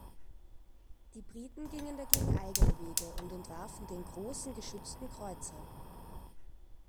Die Briten gingen dagegen eigene Wege und entwarfen den „Großen Geschützten Kreuzer“.